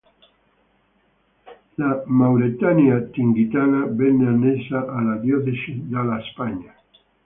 La Mauretania Tingitana venne annessa alla diocesi della Spagna.